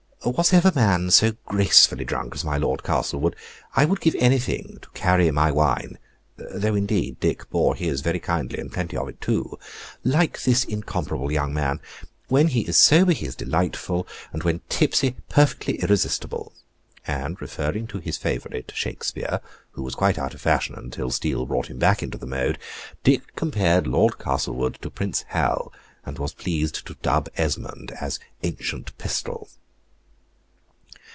Was ever man so gracefully drunk as my Lord Castlewood? I would give anything to carry my wine" (though, indeed, Dick bore his very kindly, and plenty of it, too), "like this incomparable young man. When he is sober he is delightful; and when tipsy, perfectly irresistible." And referring to his favorite, Shakspeare (who was quite out of fashion until Steele brought him back into the mode), Dick compared Lord Castlewood to Prince Hal, and was pleased to dub Esmond as ancient Pistol.